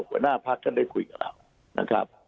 หัวหน้าพักท่านได้คุยกับเรานะครับ